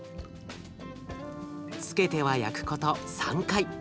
つけては焼くこと３回。